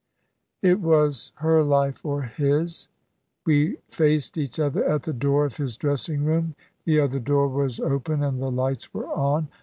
"It was her life or his. We faced each other at the door of his dressing room. The other door was open and the lights were on.